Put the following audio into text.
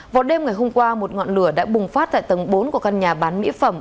vào đêm ngày hôm qua một ngọn lửa đã bùng phát tại tầng bốn của căn nhà bán mỹ phẩm